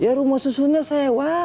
ya rumah susunnya sewa